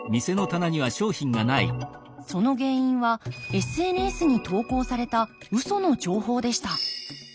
その原因はＳＮＳに投稿されたウソの情報でした。